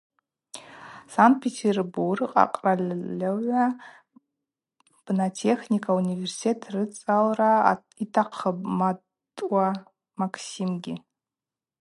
Санкт-Петербург акъральыгӏва бнатехника университет дыцӏалра йтахъыпӏ Матӏуа Максимгьи.